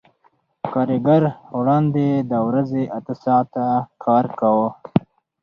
کارګر وړاندې د ورځې اته ساعته کار کاوه